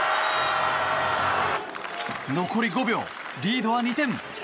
残り５秒、リードは２点。